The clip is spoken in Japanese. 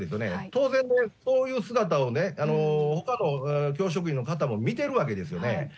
当然、そういう姿をね、ほかの教職員の方も見てるわけですよね。